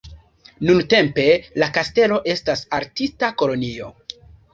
Nuntempe la kastelo estas artista kolonio.